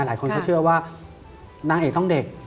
หลายคนก็เชื่อว่านางเอกต้องเด็ก